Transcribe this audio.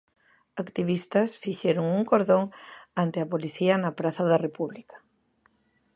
Activistas fixeron un cordón ante a policía na Praza da República.